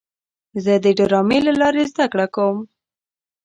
زه د ډرامې له لارې زده کړه کوم.